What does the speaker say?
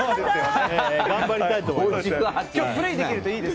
頑張りたいと思います。